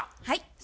はい。